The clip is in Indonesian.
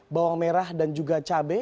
bawang merah dan juga cabai